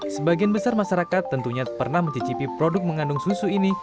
sebagian besar masyarakat tentunya pernah mencicipi produk mengandung susu ini